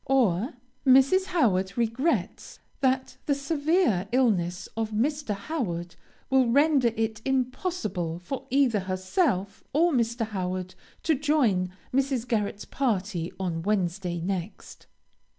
or, Mrs. Howard regrets that the severe illness of Mr. Howard will render it impossible for either herself or Mr. Howard to join Mrs. Garret's party on Wednesday next.